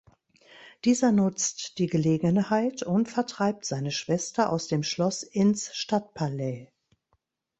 Dieser nutzt die Gelegenheit und vertreibt seine Schwester aus dem Schloss ins Stadtpalais.